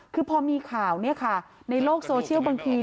คือพอมีข่าวในโลกโซเชียลบางที